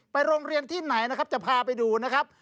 โรงเรียนที่ไหนนะครับจะพาไปดูนะครับ